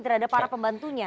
terhadap para pembantunya